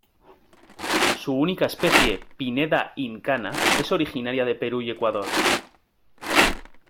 Su única especie: "Pineda incana", es originaria de Perú y Ecuador.